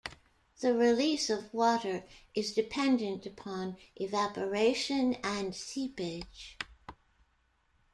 The release of water is dependent upon evaporation and seepage.